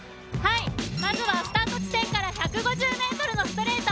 まずはスタート地点から１５０ｍのストレート